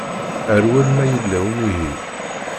Rwel ma yella umihi.